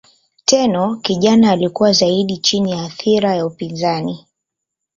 Tenno kijana alikuwa zaidi chini ya athira ya upinzani.